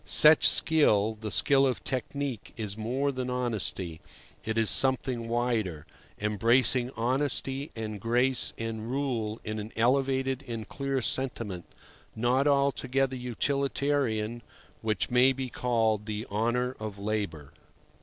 Such skill, the skill of technique, is more than honesty; it is something wider, embracing honesty and grace and rule in an elevated and clear sentiment, not altogether utilitarian, which may be called the honour of labour.